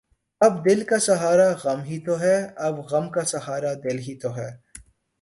اب دل کا سہارا غم ہی تو ہے اب غم کا سہارا دل ہی تو ہے